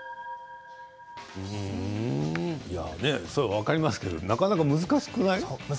分かりますけどなかなか難しくない？